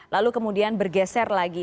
lalu kemudian bergeser lagi